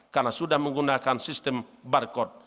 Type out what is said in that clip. karena sudah menggunakan sistem barcode